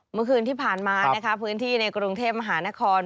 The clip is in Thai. เมื่อคืนที่ผ่านมานะคะพื้นที่ในกรุงเทพมหานคร